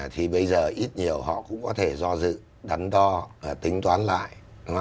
thì bây giờ ít nhiều họ cũng có thể do dự đoán đo tính toán lại